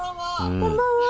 こんばんは。